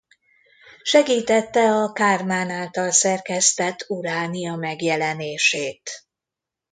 Segítette a Kármán által szerkesztett Uránia megjelenését.